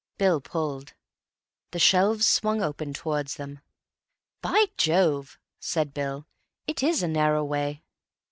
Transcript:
Bill pulled. The shelves swung open towards them. "By Jove!" said Bill, "it is a narrow way."